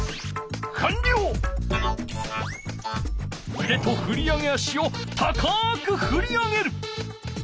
うでとふり上げ足を高くふり上げる。